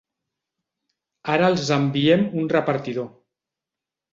Ara els enviem un repartidor.